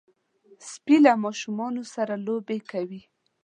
سپي له ماشومانو سره لوبې کوي.